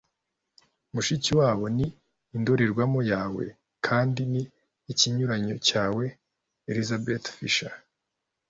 mushikiwabo ni indorerwamo yawe - kandi ni ikinyuranyo cyawe. - elizabeth fishel